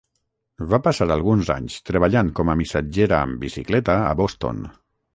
Va passar alguns anys treballant com a missatgera amb bicicleta a Boston.